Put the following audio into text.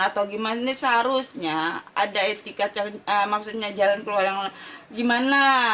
atau gimana ini seharusnya ada etika maksudnya jalan keluar yang gimana